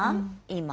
今。